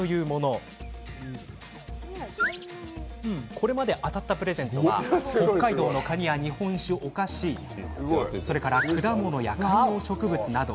これまで当たったプレゼントは北海道のカニや日本酒、お菓子果物や観葉植物など。